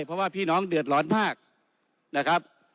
เพราะว่าพี่น้องเดือดร้อนมากนะครับ